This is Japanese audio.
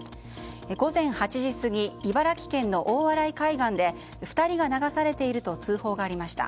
午前８時過ぎ茨城県の大洗海岸で２人が流されていると通報がありました。